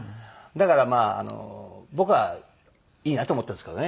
だからまあ僕はいいなと思ってるんですけどね。